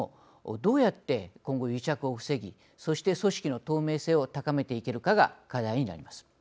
どうやって今後、癒着を防ぎそして組織の透明性を高めていけるかが課題になります。